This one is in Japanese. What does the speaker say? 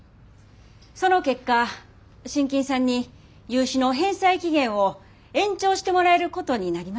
その結果信金さんに融資の返済期限を延長してもらえることになりました。